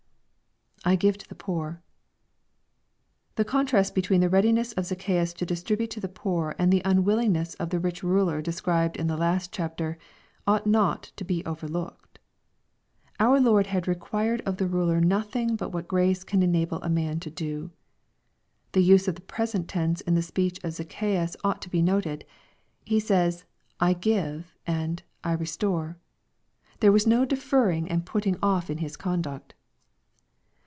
)[/ give to the poor.] The contrast between the readiness of / Zacchaeus to distribute to the poor, and the unwillingness of the / rich ruler described in the last chapter, ought not to be overlooked. Our Lord had required of the ruler nothing but what grace can enable a man to do. The use of the present tense in the speech of Zacchaeus ought to be noted. He says, " I give," and " I restore." There was no deferring and putting off in his conduct.